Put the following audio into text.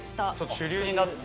主流になって。